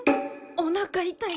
おなか痛い！